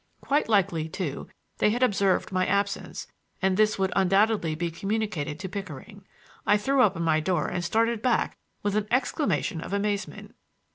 Quite likely, too, they had observed my absence, and this would undoubtedly be communicated to Pickering. I threw open my door and started back with an exclamation of amazement.